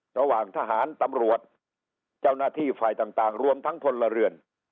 ระหว่างทหารตำรวจเจ้าหน้าที่ฝ่ายต่างรวมทั้งพลเรือน